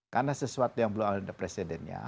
karena sesuatu yang belum ada presidennya